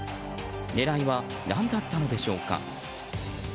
狙いは何だったのでしょうか。